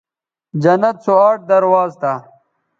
جنت سو آٹھ درواز تھا